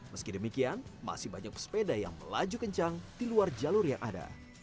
meski demikian masih banyak pesepeda yang melaju kencang di luar jalur yang ada